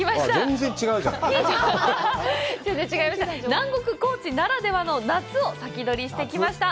南国・高知ならではの夏を先取りしてきました。